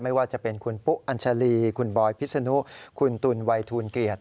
ไม่ว่าจะเป็นคุณปุ๊อัญชาลีคุณบอยพิษนุคุณตุ๋นวัยทูลเกียรติ